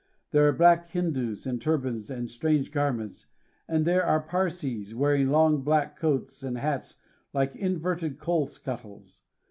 There are black Hindoos in turbans and strange garments, and there are Parsees wearing long black coats and hats like inverted coal scuttles.